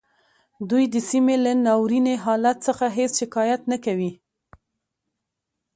دوی د سیمې له ناوریني حالت څخه هیڅ شکایت نه کوي